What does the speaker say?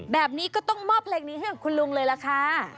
แบบนี้ก็ต้องมอบเพลงนี้ให้กับคุณลุงเลยล่ะค่ะ